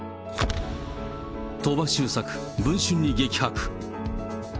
鳥羽周作、文春に激白。